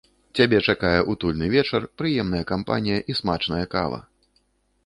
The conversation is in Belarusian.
Цябе чакае утульны вечар, прыемная кампанія і смачная кава.